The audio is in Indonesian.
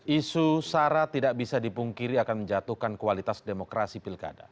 isu sara tidak bisa dipungkiri akan menjatuhkan kualitas demokrasi pilkada